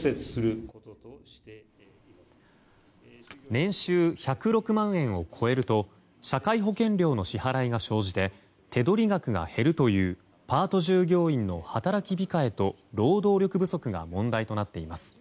年収１０６万円を超えると社会保険料の支払いが生じて手取り額が減るというパート従業員の働き控えと労働力不足が問題となっています。